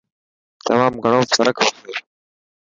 تمام گھڻو فرڪ هوسي.